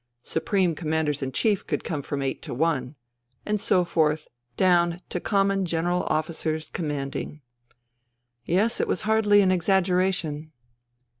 Supreme commanders in chief could come from 8 to 1. And so forth, down to common general officers commanding. Yes, it was hardly an exaggera tion.